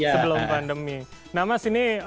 sebelum pandemi nah mas ini